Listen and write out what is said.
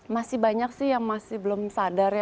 masih banyak sih yang masih belum sadar ya